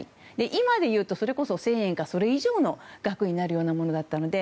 今でいうとそれこそ１０００円かそれ以上の額になるようなものだったので